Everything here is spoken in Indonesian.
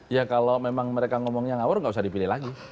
ya kalau memang mereka ngomongnya ngawur nggak usah dipilih lagi